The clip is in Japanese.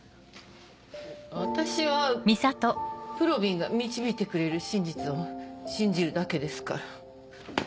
私はぷろびんが導いてくれる真実を信じるだけですから。